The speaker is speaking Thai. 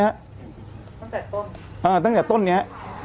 ตั้งจากต้นอ่าตั้งจากต้นนี้ฮะ